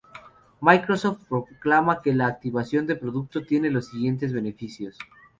Microsoft proclama que la activación de producto tiene los siguientes beneficios.